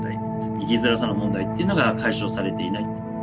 生きづらさの問題というのが解消されていない。